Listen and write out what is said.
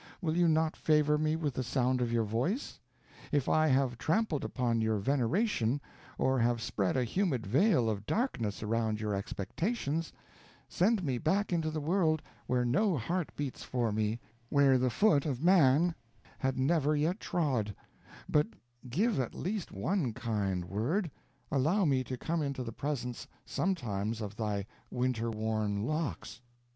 Will you not favor me with the sound of your voice? If I have trampled upon your veneration, or have spread a humid veil of darkness around your expectations, send me back into the world, where no heart beats for me where the foot of man had never yet trod; but give me at least one kind word allow me to come into the presence sometimes of thy winter worn locks."